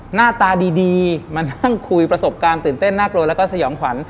หน้าตาดีมานั่งคุยประสบการณ์ตื่นเต้นน่ากลัวแล้วก็สยองขวัญ